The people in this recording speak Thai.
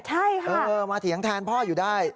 ใช่ค่ะเออมาเถียงแทนพ่ออยู่ได้